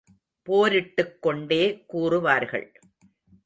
போரிட்டுக் கொண்டே கூறுவார்கள்.